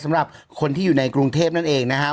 สำหรับคนที่อยู่ในกรุงเทพนั่นเองนะครับ